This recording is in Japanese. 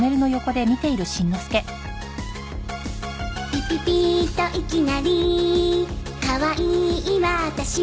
「ピピピといきなり」「カワイイ私」